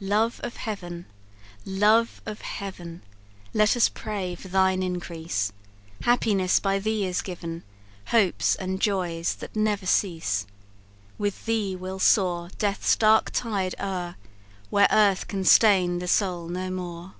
"Love of heaven! love of heaven! Let us pray for thine increase; Happiness by thee is given, Hopes and joys that never cease. With thee we'll soar Death's dark tide o'er, Where earth can stain the soul no more."